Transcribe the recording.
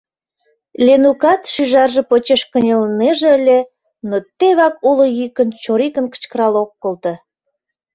— Ленукат шӱжарже почеш кынелнеже ыле, но тевак уло йӱкын чорикын кычкырал ок колто.